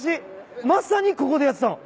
まさにここでやってたの。